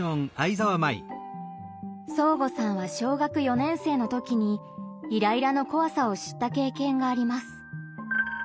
そーごさんは小学４年生の時にイライラの怖さを知った経験があります。